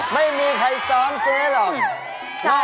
ไม่มีใครซ้อมเจ๊หรอก